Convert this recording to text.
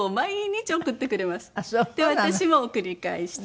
で私も送り返して。